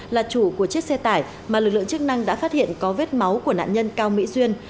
là chủ của chiếc xe tải mà lực lượng chức năng đã phát hiện có vết máu của nạn nhân cao mỹ duyên